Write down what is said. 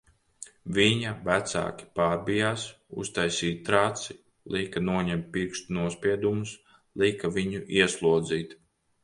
Viņa vecāki pārbijās, uztaisīja traci, lika noņemt pirkstu nospiedumus, lika viņu ieslodzīt...